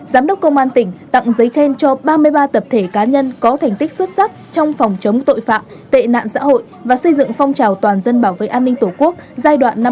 giám đốc công an tỉnh tặng giấy khen cho ba mươi ba tập thể cá nhân có thành tích xuất sắc trong phòng chống tội phạm tệ nạn xã hội và xây dựng phong trào toàn dân bảo vệ an ninh tổ quốc giai đoạn hai nghìn một mươi ba hai nghìn hai mươi ba